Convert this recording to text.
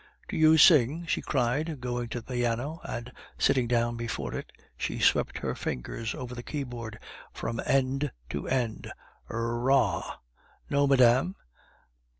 "Do you sing?" she cried, going to the piano, and, sitting down before it, she swept her fingers over the keyboard from end to end. R r r rah! "No, madame."